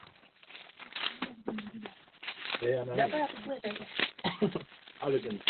wa jamii ya asili ya Quechua anarejea tena na kueleza